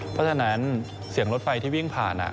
เพราะฉะนั้นเสียงรถไฟที่วิ่งผ่าน